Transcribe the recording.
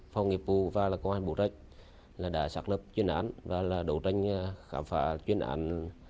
phòng nghiệp vụ và là công an bộ trách đã sắp lập chuyên án và là đấu tranh khám phá chuyên án